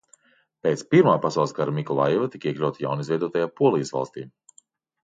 Pēc Pirmā pasaules kara Mikolajiva tika iekļauta jaunizveidotajā Polijas valstī.